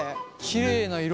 きれいな色。